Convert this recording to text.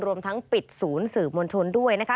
รวมทั้งปิดศูนย์สื่อมวลชนด้วยนะคะ